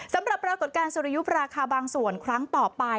สำหรับปรากฏการณ์ศรยุปราคาบางส่วนครั้งต่อไป